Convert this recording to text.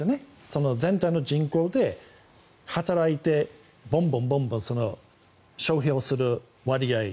その全体の人口で働いてボンボン消費をする割合。